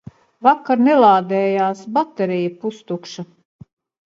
Vakar nelādējās, baterija pustukša.